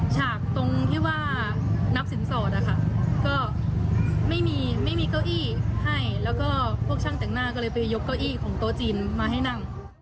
ฉากตรงที่ว่านับสินสอดอะค่ะก็ไม่มีไม่มีเก้าอี้ให้แล้วก็พวกช่างแต่งหน้าก็เลยไปยกเก้าอี้ของโต๊ะจีนมาให้นั่ง